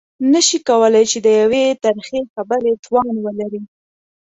نه شي کولای چې د يوې ترخې خبرې توان ولري.